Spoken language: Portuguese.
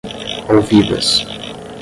ouvidas